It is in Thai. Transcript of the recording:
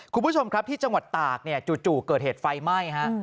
คุณผู้ชมครับที่จังหวัดตากเนี่ยจู่เกิดเหตุไฟไหม้ฮะ